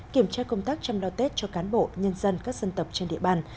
kiểm tra công tác chăm đo tết cho cán bộ nhân dân các dân tập trên địa bàn